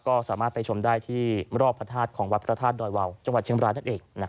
ก็สามารถไปชมได้ที่รอบพระธาตุของวัดพระธาตุดอยวาวจังหวัดเชียงบรายนั่นเอง